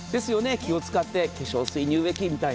気を使って化粧水、乳液みたいに。